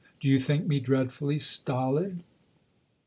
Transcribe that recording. " Do }'ou think me dreadfully stolid